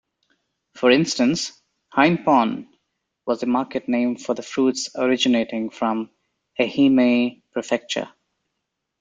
For instance, "himepon" was the market name for the fruits originating from Ehime prefecture.